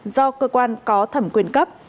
do cơ quan có thẩm quyền cấp